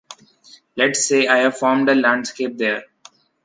Let’s say i have formed a landscape there.